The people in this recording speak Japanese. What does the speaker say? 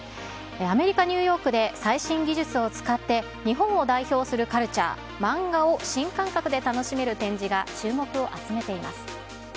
アメリカ・ニューヨークで最新技術を使って、日本を代表するカルチャー、マンガを新感覚で楽しめる展示が注目を集めています。